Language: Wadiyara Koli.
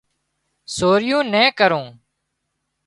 سوريون نين ڪرُون